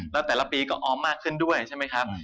แล้วแต่ละปีก็ออมมากขึ้นด้วยใช่ไหมครับ